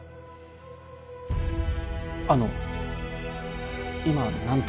あの今何と。